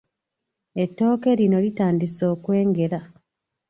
Ettooke lino litandise okwengera.